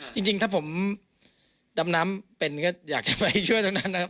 จริงถ้าผมดำน้ำเป็นก็อยากจะไปช่วยเท่านั้นนะครับ